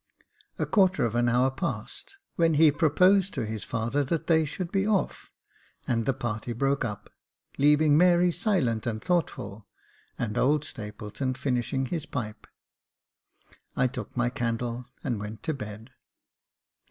A quarter of an hour passed, when he proposed to his father that they should be off, and the party broke up. Leaving Mary silent and thoughtful, and old Stapleton finishing his pipe, I took my candle and went to bed.